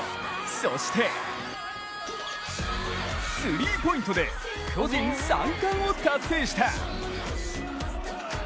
そしてスリーポイントで個人３冠を達成した。